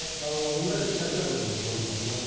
いわゆる記者クラブというものがありまして。